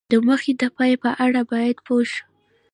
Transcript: د موخې د پای په اړه باید پوه شو.